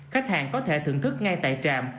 khách hàng có thể thưởng thức ngay tại trạm